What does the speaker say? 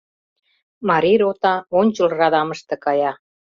Марий рота ончыл радамыште кая.